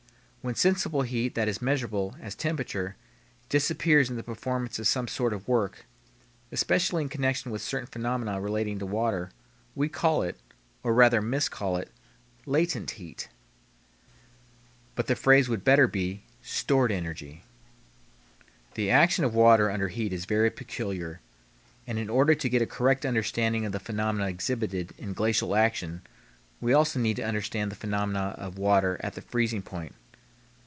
When sensible heat that is measurable, as temperature, disappears in the performance of some sort of work, especially in connection with certain phenomena relating to water, we call it or rather miscall it latent heat: but the phrase would better be "stored energy." The action of water under heat is very peculiar, and in order to get a correct understanding of the phenomena exhibited in glacial action we also need to understand the phenomena of water at the freezing point.